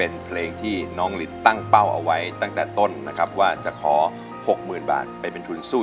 นี่น้องเอาหวังจะได้ลูก